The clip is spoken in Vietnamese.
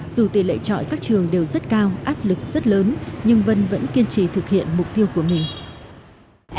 dù tỷ lệ trọi các trường đều rất cao áp lực rất lớn nhưng vân vẫn kiên trì thực hiện mục tiêu của mình